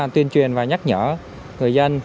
tuyên truyền và nhắc nhở người dân